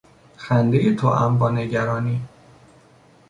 خندهی توام با نگرانی